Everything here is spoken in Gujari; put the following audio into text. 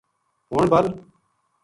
ہن بَل